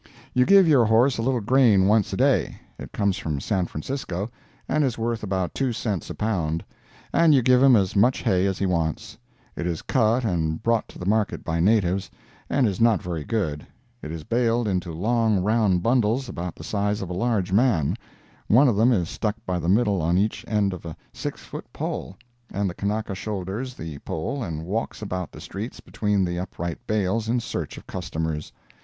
You give your horse a little grain once a day; it comes from San Francisco, and is worth about two cents a pound; and you give him as much hay as he wants; it is cut and brought to the market by natives, and is not very good, it is baled into long, round bundles, about the size of a large man; one of them is stuck by the middle on each end of a six foot pole, and the Kanaka shoulders the pole and walks about the streets between the upright bales in search of customers.